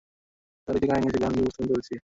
তার একটি কাহিনী আছে, যা আমি উপস্থাপন করছি।